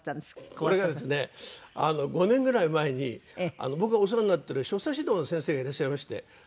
これがですね５年ぐらい前に僕がお世話になってる所作指導の先生がいらっしゃいまして。